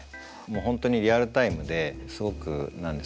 本当にリアルタイムですごく何ですかね